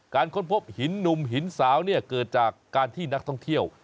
ค้นพบหินหนุ่มหินสาวเนี่ยเกิดจากการที่นักท่องเที่ยว